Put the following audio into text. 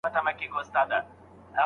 نقيبه لېونيه، مسلمانه لېونيه!!